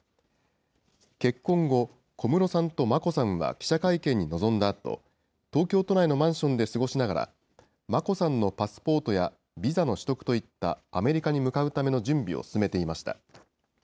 結婚後、小室さんと眞子さんは記者会見に臨んだあと、東京都内のマンションで過ごしながら、眞子さんのパスポートやビザの取得といったアメリカに向かうための準備を進めていました。